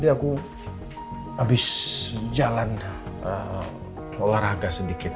ke mana ya biasanya aku taro di sini